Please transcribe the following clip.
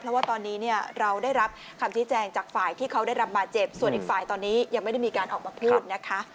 เพราะว่าตอนนี้เนี่ยเราได้รับคำชี้แจงจากฝ่ายที่เขาได้รับบาดเจ็บส่วนอีกฝ่ายตอนนี้ยังไม่ได้มีการออกมาพูดนะคะ